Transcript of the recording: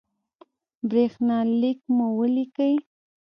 برېښنالک مو ولیکئ